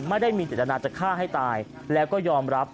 ไม่ได้มีเจตนาจะฆ่าให้ตายแล้วก็ยอมรับ